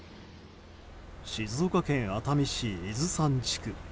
静岡県熱海市伊豆山地区。